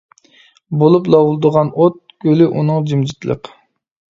بولۇپ لاۋۇلدىغان ئوت، گۈلى ئۇنىڭ جىمجىتلىق.